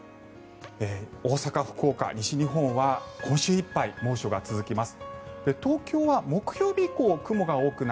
大阪、福岡、西日本は今週いっぱい猛暑が続きます。